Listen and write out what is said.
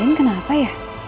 dianin kenapa ya